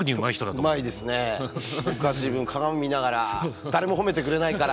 僕は自分鏡見ながら誰も褒めてくれないから。